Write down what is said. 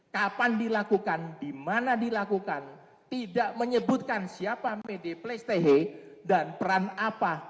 kapan dilakukan di mana dilakukan tidak menyebutkan siapa mediplastik dan peran apa